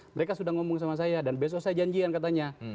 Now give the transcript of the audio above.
mereka sudah ngomong sama saya dan besok saya janjian katanya